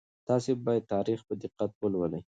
تاسي باید تاریخ په دقت ولولئ.